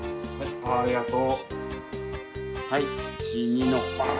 ありがとう。